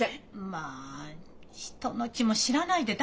まあ人の気も知らないで。